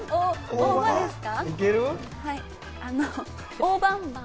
大葉ですか？